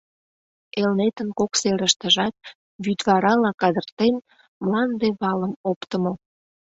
Элнетын кок серыштыжат, вӱдварала кадыртен, мланде валым оптымо.